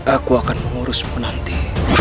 aku akan mengurusmu nanti